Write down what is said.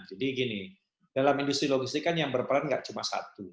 jadi gini dalam industri logistik kan yang berperan tidak cuma satu